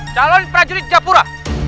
calon prajurit japura